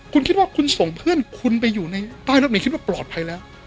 คุณคิดว่าคุณส่งเพื่อนคุณไปอยู่ในใต้รถเมย์คิดว่าปลอดภัยแล้ว